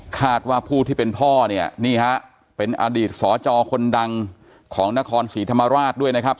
คาดว่าผู้ที่เป็นพ่อเนี่ยนี่ฮะเป็นอดีตสจคนดังของนครศรีธรรมราชด้วยนะครับ